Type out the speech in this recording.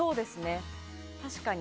確かに。